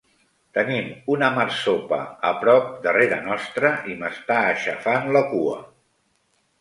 Tenim una marsopa a prop darrere nostre i m'està aixafant la cua.